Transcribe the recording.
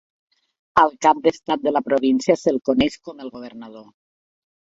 Al cap d'estat de la província se'l coneix com el Governador.